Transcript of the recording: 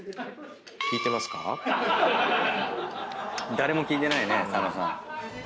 誰も聞いてないね佐野さん。